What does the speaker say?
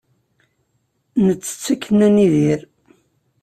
Nettett akken ad nidir.